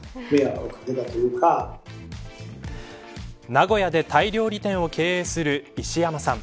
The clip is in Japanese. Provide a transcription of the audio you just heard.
名古屋でタイ料理店を経営する石山さん。